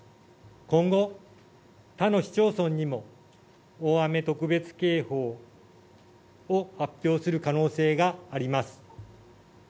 今後、他の市町村にも大雨特別警報を発表する可能性があります。